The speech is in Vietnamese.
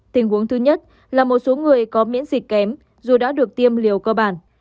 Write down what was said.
tình huống thứ nhất là một số người có miễn dịch kém dù đã được tiêm liều cơ bản